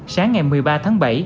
sáng ngày một mươi ba tháng bảy